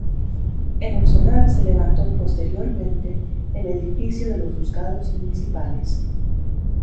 En el solar se levantó posteriormente el edificio de los juzgados municipales.